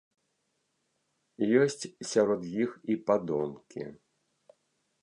Ёсць сярод іх і падонкі.